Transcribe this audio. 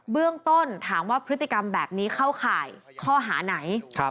เรื่องต้นถามว่าพฤติกรรมแบบนี้เข้าข่ายข้อหาไหน